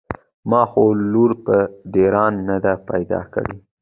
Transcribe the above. ما خو لور په ډېران نده پيدا کړې.